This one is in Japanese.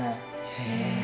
へえ。